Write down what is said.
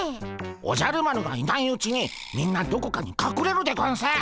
おじゃる丸がいないうちにみんなどこかにかくれるでゴンス。